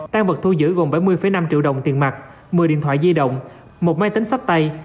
tan vật thu giữ gồm bảy mươi năm triệu đồng tiền mặt một mươi điện thoại di động một máy tính sách tay